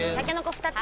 ２つ！